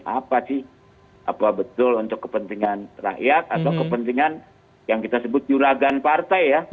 apa sih apa betul untuk kepentingan rakyat atau kepentingan yang kita sebut juragan partai ya